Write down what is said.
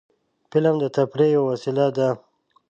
فلم د تفریح یوه وسیله ده